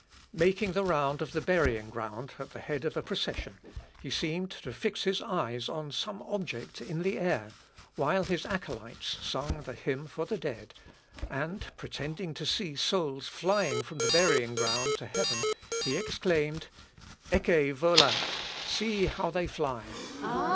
Making the round of the burying ground at the head of a procession, he seemed to fix his eyes on some object in the air, while his acolytes sung the hymn for the dead, and pretending to see souls flying from the burying ground to heaven, he exclaimed "Ecce volant! See how they fly."